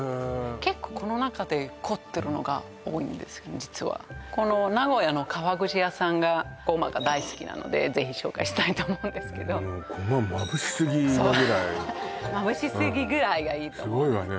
結構この中でこの名古屋の川口屋さんがゴマが大好きなのでぜひ紹介したいと思うんですけどゴマまぶしすぎなぐらいそうまぶしすぎぐらいがいいと思うスゴいわね